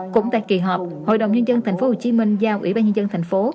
cũng tại kỳ họp hội đồng nhân dân tp hcm giao ủy ban nhân dân tp hcm